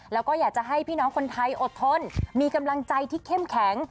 แล้วก็อยากจะให้พี่น้องคนไทยอดทนมีกำลังใจที่เข้มแข็ง